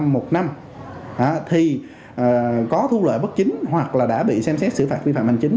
một năm thì có thu lợi bất chính hoặc là đã bị xem xét xử phạt vi phạm hành chính